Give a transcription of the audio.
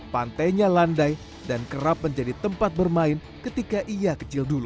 pantainya landai dan kerap menjadi tempat bermain ketika ia kecil dulu